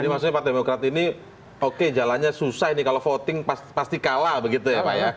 jadi maksudnya pak demokrat ini oke jalannya susah nih kalau voting pasti kalah begitu ya pak ya